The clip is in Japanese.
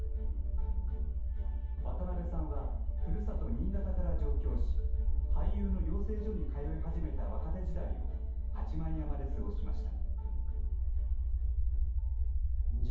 渡辺さんはふるさと新潟から上京し俳優の養成所に通い始めた若手時代を八幡山で過ごしました。